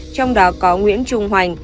trong đó có nguyễn trung hoành